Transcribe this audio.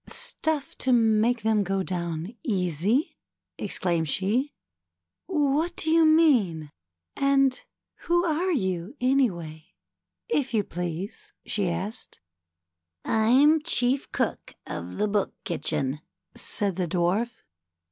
" Stuff to make them go down easy ?" exclaimed she. " What do you mean ? And who are you, any way — if you please?" she added. "I'm chief cook of the Book Kitchen," said the Dwarf.